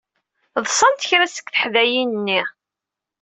Ḍsant kra seg teḥdayin-nni.